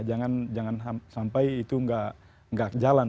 jangan sampai itu nggak jalan